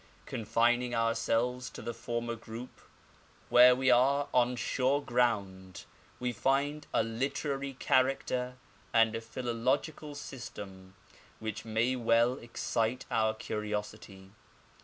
Con fining ourselves to the former group, where we are on sure ground, we find a literary character and a philological system which may well excite our curiosity.